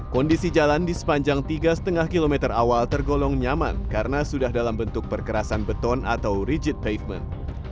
kondisi jalan di sepanjang tiga lima km awal tergolong nyaman karena sudah dalam bentuk perkerasan beton atau rigid pavement